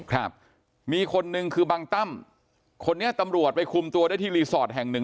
ครับมีคนหนึ่งคือบางตั้มคนนี้ตำรวจไปคุมตัวได้ที่รีสอร์ทแห่งหนึ่ง